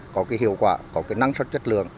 có hiệu quả có năng suất chất lượng